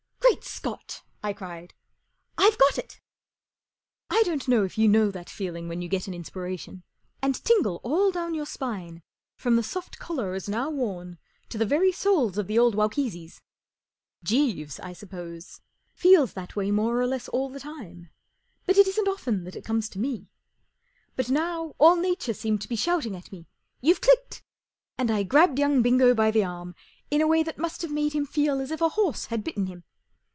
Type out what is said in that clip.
" Great Scot !" I cried. 44 I've got it !" I don't know if you know that feeling when you get an inspiration, and tingle all down your spine from the soft collar as now worn to the very soles of the old Waukeesis ? Jeeves, I suppose, feels that way more or less all the time, but it isn't often it comes to me. But now all Nature seemed to be shouting at me 44 You've clicked !" and I grabbed young Bingo by the arm in a way that must have made him feel as if a horse had bitten him.